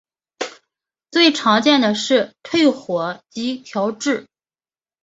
最常见的是退火及调质。